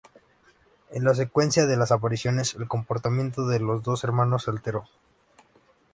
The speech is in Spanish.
En la secuencia de las apariciones, el comportamiento de los dos hermanos se alteró.